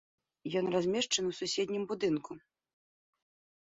Ён размешчаны ў суседнім будынку.